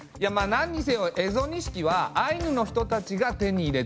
なんにせよ蝦夷錦はアイヌの人たちが手に入れていた。